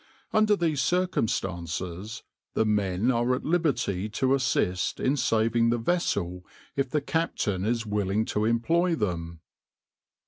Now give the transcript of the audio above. Under these circumstances the men are at liberty to assist in saving the vessel if the captain is willing to employ them.